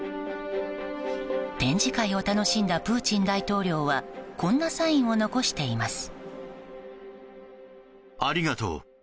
展示会を楽しんだプーチン大統領はこんなサインを残しています。